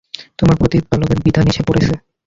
তোমার প্রতিপালকের বিধান এসে পড়েছে।